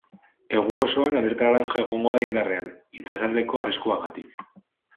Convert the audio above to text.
Egun osoan alerta laranja egongo da indarrean, itsasaldeko arriskuagatik.